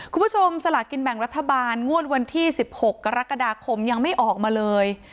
สลากินแบ่งรัฐบาลงวดวันที่๑๖กรกฎาคมยังไม่ออกมาเลย